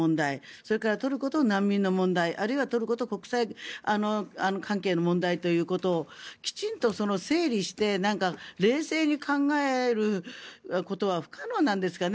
それからトルコと難民の問題あるいはトルコと国際関係の問題ということをきちんと整理して冷静に考えることは不可能なんですかね？